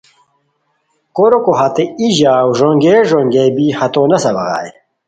کوریکو ہتے ای ژاؤ ݱونگو ݱونگو بی ہتو نسہ بغائے